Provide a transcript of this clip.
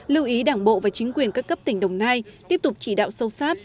lưu ý đảng bộ và chính quyền các cấp tỉnh đồng nai tiếp tục chỉ đạo sâu sát